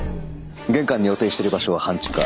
玄関に予定してる場所は半地下。